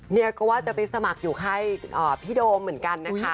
เนี่ยก็ว่าจะไปสมัครอยู่ค่ายพี่โดมเหมือนกันนะคะ